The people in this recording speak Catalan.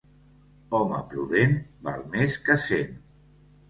Home prudent val més que cent.